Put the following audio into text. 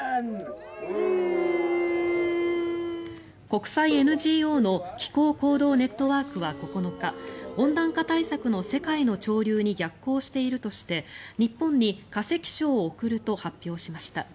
国際ＮＧＯの気候行動ネットワークは９日温暖化対策の世界の潮流に逆行しているとして日本に化石賞を贈ると発表しました。